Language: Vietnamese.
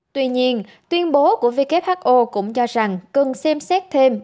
tuy nhiên tuyên bố của who cũng cho rằng cần xem xét thêm